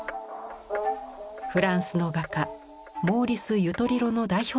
フランスの画家モーリス・ユトリロの代表作です。